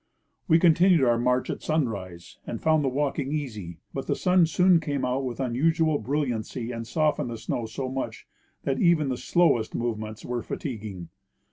We continued our march at sunrise and found the walking easy ; but the sun soon came out with unusual brilliancy and softened the snow so much that even the slowest movements were fatiguing.